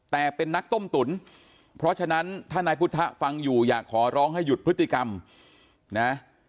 แต่เป็นนักต้มตุ๋นเพราะฉะนั้นถ้านายพุทธฟังอยู่อยากขอร้องให้หยุดพฤติกรรมนะ